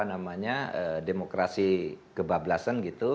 namanya demokrasi kebablasan gitu